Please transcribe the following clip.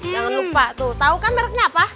jangan lupa tuh tau kan merknya apa